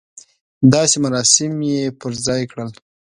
داسې مراسم یې پر ځای کړل.